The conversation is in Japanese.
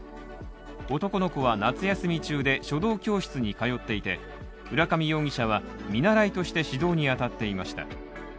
男の子は夏休み中で書道教室に通っていて浦上容疑者は見習いとして指導に当たっていました。